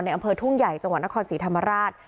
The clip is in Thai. อำเภอทุ่งใหญ่จังหวัดนครศรีธรรมราช